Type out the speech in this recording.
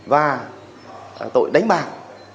và tội đánh bạc